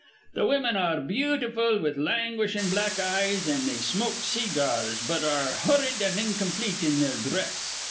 Th' women ar re beautiful, with languishin' black eyes, an' they smoke see gars, but ar re hurried an' incomplete in their dhress.